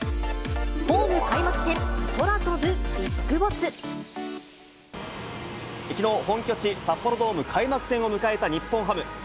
ホーム開幕戦、きのう、本拠地、札幌ドーム開幕戦を迎えた日本ハム。